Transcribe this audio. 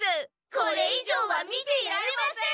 これいじょうは見ていられません！